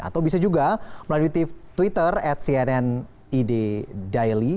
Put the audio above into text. atau bisa juga melalui twitter at cnn id daily